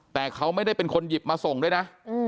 แต่เขาไม่ได้เป็นคนหยิบมาส่งด้วยนะ